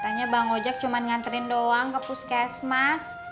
katanya bang ojak cuman nganterin doang ke puskesmas